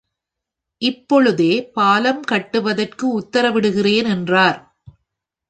இப்பொழுதே பாலம் கட்டுவதற்கு உத்தரவிடுகிறேன் என்றார்.